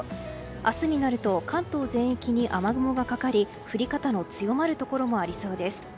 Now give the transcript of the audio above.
明日になると関東全域に雨雲がかかり降り方の強まるところもありそうです。